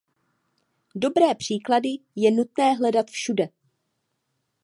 Dobré příklady je nutné hledat všude.